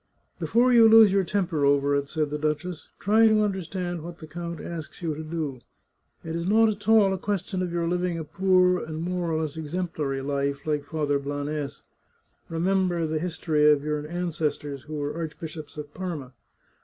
" Before you lose your temper over it," said the duchess, " try to understand what the count asks you to do. It is not at all a question of your living a poor and more or less exem plary life, like Father Blanes. Remember the history of your ancestors, who were Archbishops of Parma.